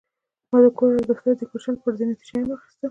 ما د کور او دفتر د ډیکوریشن لپاره زینتي شیان واخیستل.